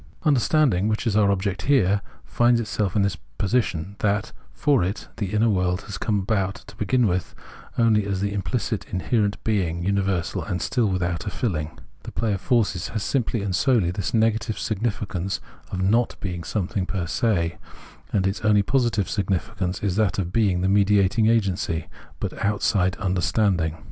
Understanding, which is our object here, finds itself in this position, that, for it, the inner world has come about, to begin with, only as the imphcit inherent being, universal and still without a filling. The play of forces has simply and solely this negative significance of not being something j^er se; and its only positive significance is that of being the mediating agency, but outside understanding.